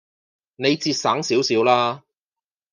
你節省少少啦